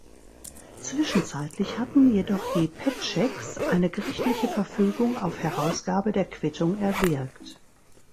Zwischenzeitlich hatten jedoch die Petscheks eine gerichtliche Verfügung auf Herausgabe der Quittung erwirkt.